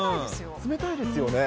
冷たいですよね。